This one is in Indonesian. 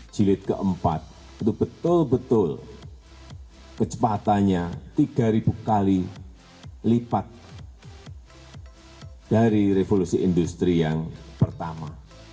jilid keempat itu betul betul kecepatannya tiga ribu kali lipat dari revolusi industri yang pertama